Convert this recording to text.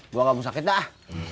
gua gak mau sakit dah